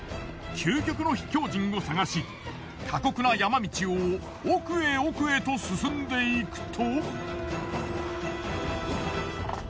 究極の秘境人を探し過酷な山道を奥へ奥へと進んでいくと。